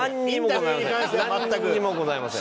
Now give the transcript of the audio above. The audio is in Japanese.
なんにもございません。